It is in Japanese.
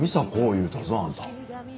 言うたぞあんた。